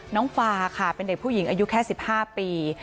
น้องฟาค่ะเป็นเด็กผู้หญิงอายุแค่สิบห้าปี